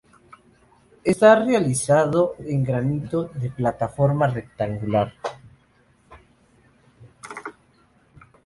Está realizado en granito de plataforma rectangular.